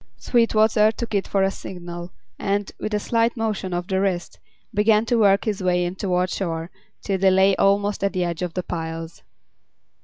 Sweetwater took it for a signal and, with a slight motion of the wrist, began to work his way in toward shore till they lay almost at the edge of the piles.